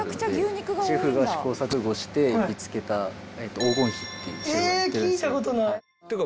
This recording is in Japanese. シェフが試行錯誤して見つけた黄金比ってシェフは言ってる。